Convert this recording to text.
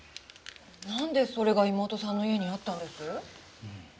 なんでそれが妹さんの家にあったんです？